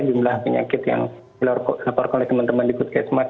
jumlah penyakit yang di laporkan oleh teman teman di good case math